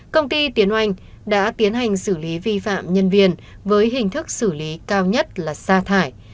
công ty tiến oanh đã tiến hành xử lý vi phạm nhân viên với hình thức xử lý cao nhất là xa thải